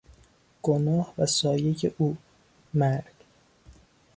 گناه و سایهی او: مرگ